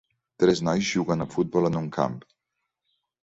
Tres nois juguen a futbol en un camp